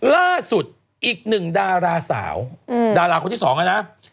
ล่าสุดอีกหนึ่งดาราสาวดาราคนที่สองนะ